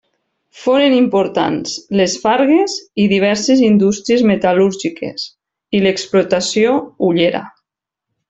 Foren importants les fargues i diverses indústries metal·lúrgiques, i l'explotació hullera.